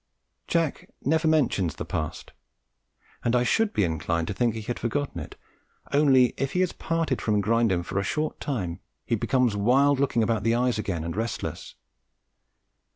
Jack never mentions the past, and I should be inclined to think he had forgotten it, only if he is parted from Grindum for a short time he becomes wild looking about the eyes again and restless.